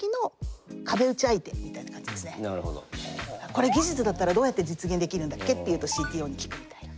「これ技術だったらどうやって実現できるんだっけ？」っていうとＣＴＯに聞くみたいな。